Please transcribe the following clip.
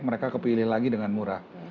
mereka kepilih lagi dengan murah